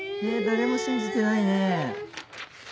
誰も信じてないね。